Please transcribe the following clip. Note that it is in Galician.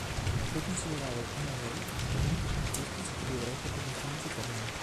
Foi considerado un heroe por moitos anarquistas e liberais republicanos italianos.